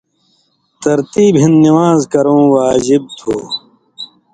ترتیب ہِن نِوان٘ز کرٶں واجِب تھُو۔